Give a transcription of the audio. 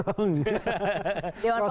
dewan pengawas yang mendorong